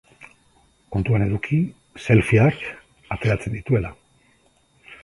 Kontuan eduki selfieak ateratzen dituela.